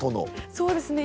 そうですね。